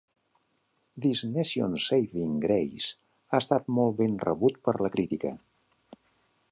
"This Nation's Saving Grace" ha estat molt ben rebut per la crítica.